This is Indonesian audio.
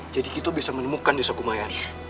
jadi kita bisa menemukan desa pumayan